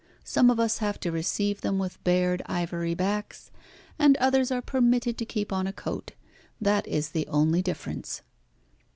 Some of us have to receive them with bared ivory backs, and others are permitted to keep on a coat that is the only difference."